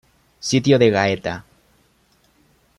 Sitio de Gaeta